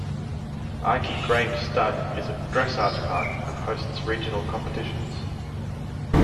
Aike Grange Stud is a dressage park, and hosts regional competitions.